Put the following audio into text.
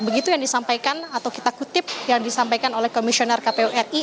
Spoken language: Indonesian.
begitu yang disampaikan atau kita kutip yang disampaikan oleh komisioner kpu ri